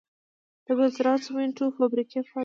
د جبل السراج سمنټو فابریکه فعاله ده؟